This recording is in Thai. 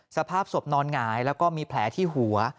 สภาพศพนอนหงายแล้วก็มีแผลที่หัว